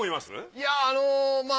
いやあのまあ。